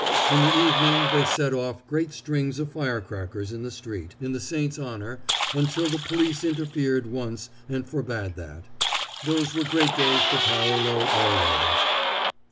In the evening they set off great strings of fire crackers in the street, in the saint's honor, until the police interfered once and forbade that. Those were great days for Paolo always.